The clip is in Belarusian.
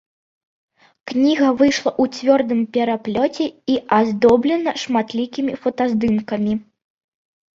Кніга выйшла ў цвёрдым пераплёце і аздоблена шматлікімі фотаздымкамі.